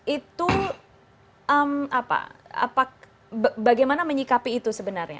itu bagaimana menyikapi itu sebenarnya